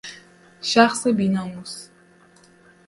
شخص بی ناموس